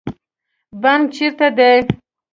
بانک چیرته دی؟